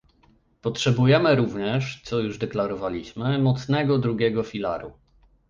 Potrzebujemy również - co już deklarowaliśmy - mocnego drugiego filaru